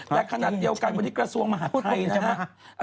และขณะเดียวกันวันนี้กระทรวงมหาวิทยาลัยนะฮะ